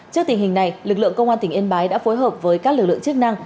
trước tình hình này lực lượng công an tỉnh yên bái đã phối hợp với các lực lượng chức năng